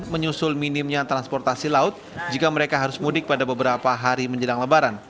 menyusul minimnya transportasi laut jika mereka harus mudik pada beberapa hari menjelang lebaran